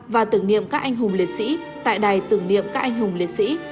và tưởng niệm các anh hùng liệt sĩ tại đài tưởng niệm các anh hùng liệt sĩ